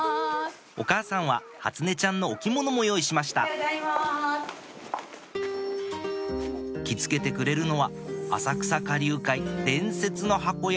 お母さんは初音ちゃんのお着物も用意しました着付けてくれるのは浅草花柳界伝説の箱屋